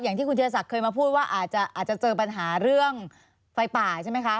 อย่างที่คุณธีรศักดิ์เคยมาพูดว่าอาจจะเจอปัญหาเรื่องไฟป่าใช่ไหมคะ